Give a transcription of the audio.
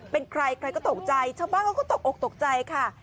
เป็นใครใครก็ตกใจชาวบ้านเขาก็ตกอกตกใจค่ะ